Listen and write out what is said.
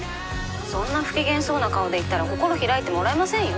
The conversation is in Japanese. そんな不機嫌そうな顔で行ったら心開いてもらえませんよ？